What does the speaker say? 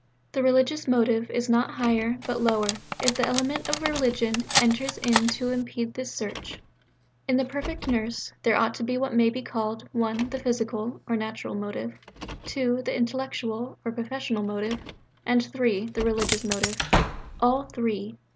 The religious motive is not higher, but lower, if the element of religion enters in to impede this search. In the perfect nurse, there ought to be what may be called (1) the physical (or natural) motive, (2) the intellectual (or professional) motive, and (3) the religious motive all three.